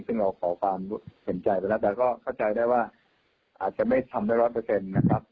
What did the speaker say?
ซึ่งเราขอความเห็นใจไปแล้วแต่ก็เข้าใจได้ว่าอาจจะไม่ทำได้ร้อยเปอร์เซ็นต์นะครับ